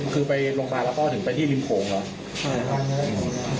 คือไปโรงพยาบาลแล้วก็ถึงไปที่ริมโขงเหรอ